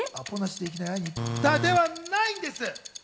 ではないんです。